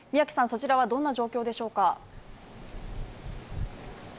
そちらはどんな状況でしょうか？